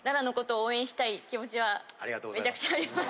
気持ちはめちゃくちゃあります。